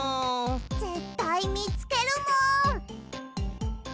ぜったいみつけるもん！